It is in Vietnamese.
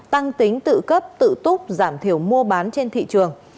tăng tính tự cấp tự túc giảm thiểu mua bán trên thị trường